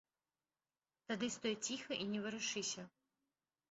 Тады стой ціха і не варушыся.